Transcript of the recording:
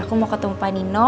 aku mau ketemu panino